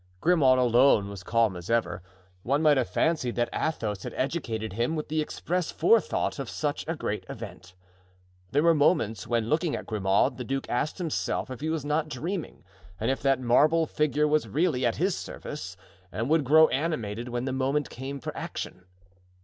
Grimaud alone was calm as ever. One might have fancied that Athos had educated him with the express forethought of such a great event. There were moments when, looking at Grimaud, the duke asked himself if he was not dreaming and if that marble figure was really at his service and would grow animated when the moment came for action.